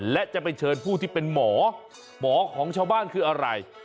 และจะไปเชิญผู้ที่เป็นหมอหมอของชาวบ้านคืออะไร